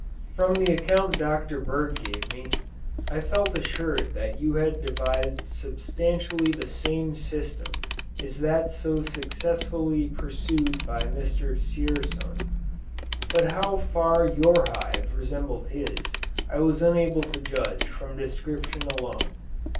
From the account Dr. Berg gave me, I felt assured that you had devised substantially the same system as that so successfully pursued by Mr. Dzierzon; but how far your hive resembled his I was unable to judge from description alone.